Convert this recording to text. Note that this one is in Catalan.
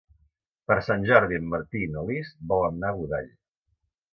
Per Sant Jordi en Martí i na Lis volen anar a Godall.